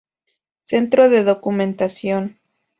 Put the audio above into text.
Centro de Documentación